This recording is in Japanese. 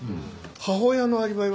母親のアリバイは？